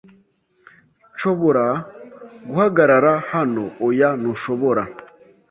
"Nshobora guhagarara hano?" "Oya, ntushobora."